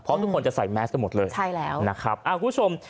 เพราะทุกคนจะใส่แมสกันหมดเลยใช่แล้วนะครับอ่าคุณผู้ชม